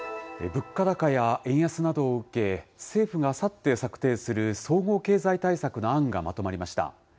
物価高や円安などを受け、政府があさって策定する総合経済対策の案がまとまりました。